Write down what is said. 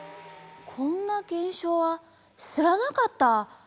こんな現象は知らなかった。